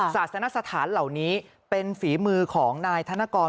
ศาสนสถานเหล่านี้เป็นฝีมือของนายธนกร